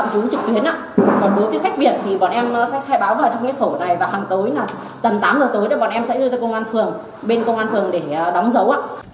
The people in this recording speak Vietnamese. còn đối với khách việt thì bọn em sẽ khai báo vào trong cái sổ này và tầm tám giờ tối bọn em sẽ đi tới bên công an phường để đóng giấu